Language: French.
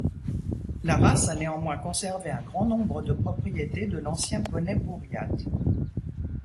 La race a néanmoins conservé un grand nombre de propriétés de l'ancien poney Bouriate.